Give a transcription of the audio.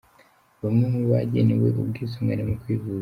Bamwe mu bagenewe ubwisungane mu kwivuza.